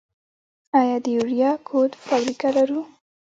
آیا د یوریا کود فابریکه لرو؟